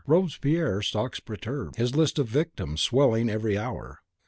Robespierre stalks perturbed, his list of victims swelling every hour.